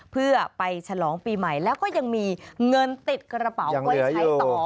เพื่อไปฉลองปีใหม่แล้วก็ยังมีเงินติดกระเป๋าไว้ใช้ต่อ